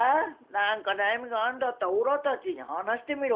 何か悩みがあんだったらおらたちに話してみろ。